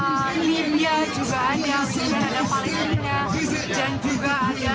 warga amerika dari syria atau syria maksud saya